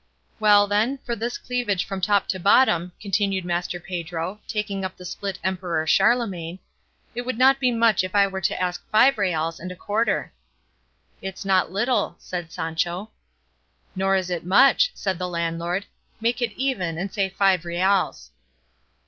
"Well then, for this cleavage from top to bottom," continued Master Pedro, taking up the split Emperor Charlemagne, "it would not be much if I were to ask five reals and a quarter." "It's not little," said Sancho. "Nor is it much," said the landlord; "make it even, and say five reals."